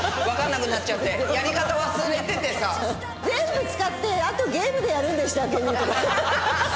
全部使ってあとゲームでやるんでしたっけねとか。